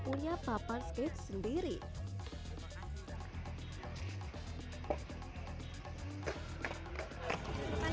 wahyu mencari papan skate yang lebih baik